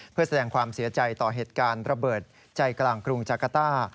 เพื่อแสดงความเสียใจต่อเหตุการณ์ระเบิดใจกลางกรุงจากาต้า